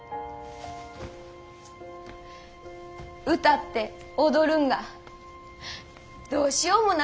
歌って踊るんがどうしようもなく好きやねん。